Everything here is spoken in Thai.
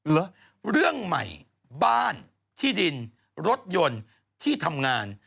แล้วเรือมห์ใบบ้านที่ดินรถยนต์ที่ทำงาน